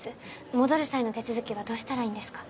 戻る際の手続きはどうしたらいいんですか？